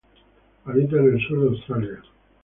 Habita en el Sur de Australia.